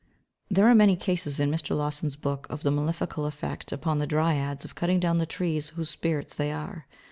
There are many cases in Mr. Lawson's book of the malefical effect upon the Dryads of cutting down the trees whose spirit they are.